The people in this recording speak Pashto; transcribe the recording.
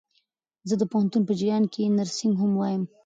زه د پوهنتون په جریان کښي نرسينګ هم وايم.